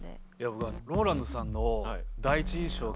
僕はＲＯＬＡＮＤさんの。